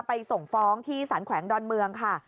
ส่งฟ้องที่สารแขวงดอนเมืองค่ะ